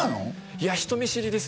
いや人見知りです